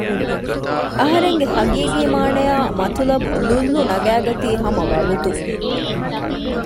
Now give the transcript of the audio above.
އަހަރެންގެ ހަގީގީ މާނަޔާއި މަތުލަބު ލުއްލު ނަގައިގަތީ ހަމަ ވަގުތުން